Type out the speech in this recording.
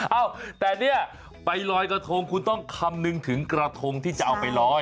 เอ้าแต่เนี่ยไปลอยกระทงคุณต้องคำนึงถึงกระทงที่จะเอาไปลอย